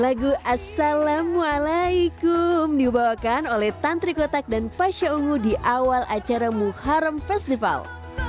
lagu assalamualaikum dibawakan oleh tantri kotak dan pasha ungu di awal acara muharrem festival